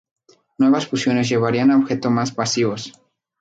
Nuevas fusiones llevarían a objetos más masivos.